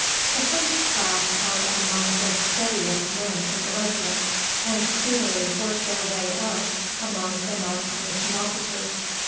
The first class are among the steadiest men in the regiment, and speedily work their way up among the non commissioned officers.